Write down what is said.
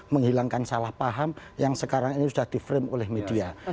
menghilangkan salah paham yang sekarang ini sudah di frame oleh media